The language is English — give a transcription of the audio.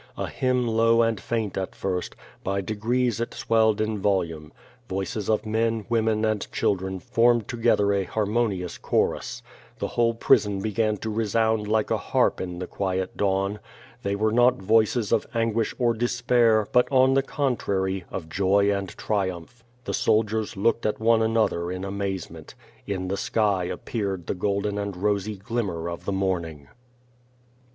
A hymn low and faint at first, by degrees it swelled in volume. Voices of men, women and children formed together a harmonious chorus. The whole prison began to resound like a harp in the quiet dawn. They were not voices of anguish or despair, but on the contrary, of joy and triumph! The soldiers looked at one another in amazement In the sky appeared the golden and rosy glimmer of the morning.